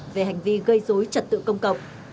về hành vi gây dối trật tự công cộng